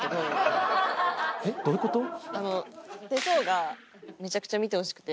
手相がめちゃくちゃ見てほしくて。